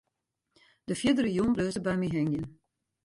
De fierdere jûn bleau se by my hingjen.